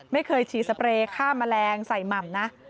ไม่เคยฉีดสเปรย์ฆ่าแมลงใส่หม่ำนะ